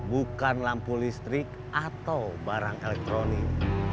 bukan lampu listrik atau barang elektronik